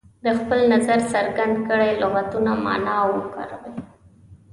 د خپل نظر څرګند کړئ لغتونه معنا او وکاروي.